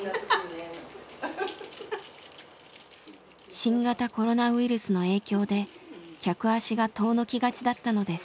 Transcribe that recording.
新型コロナウイルスの影響で客足が遠のきがちだったのです。